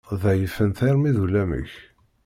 Ḍeyyfen-t armi d ulamek.